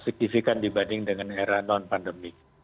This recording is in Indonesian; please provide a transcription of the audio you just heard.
signifikan dibanding dengan era non pandemik